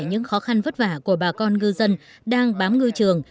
những khó khăn vất vả của bà con ngư dân đang bám ngư trường